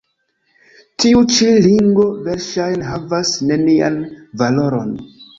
Tiu ĉi ringo verŝajne havas nenian valoron.